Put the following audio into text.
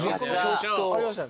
ありました